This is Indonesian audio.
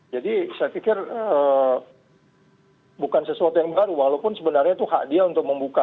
jadi saya pikir bukan sesuatu yang baru walaupun sebenarnya itu hadiah untuk membuka